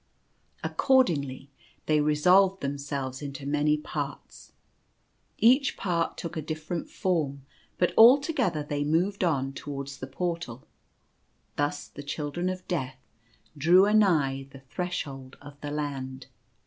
Accordingly they resolved themselves into many parts. Each part took a different form, but all together they moved on towards the Portal. Thus the Children of Death drew a nigh the threshold of the Land.